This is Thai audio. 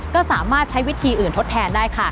ก็สามารถใช้วิธีอื่นทดแทนได้ค่ะ